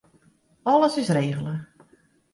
Alles is regele.